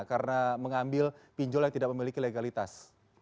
karena mengambil pinjol yang tidak memiliki legalitas